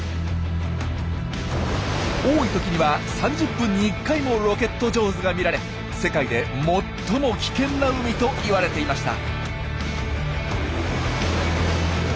多い時には３０分に１回もロケット・ジョーズが見られ世界で最も危険な海と言われていました。